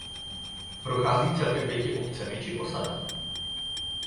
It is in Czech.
Prochází celkem pěti obcemi či osadami.